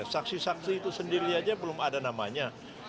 saksi saksi itu sendiri aja belum ada namanya